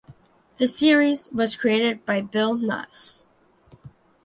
The series was created by Bill Nuss.